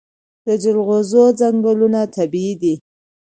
د جلغوزیو ځنګلونه طبیعي دي؟